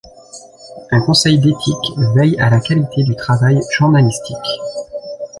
Un conseil d'éthique veille à la qualité du travail journalistique.